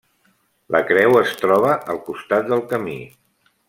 La creu es troba al costat del camí.